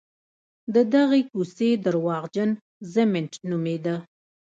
د دغې کوڅې درواغجن ضمټ نومېده.